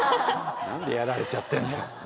何でやられちゃってんだよ。